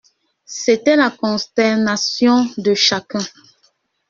C'était la consternation de chacun.